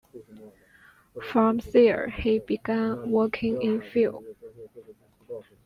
From there he began working in film.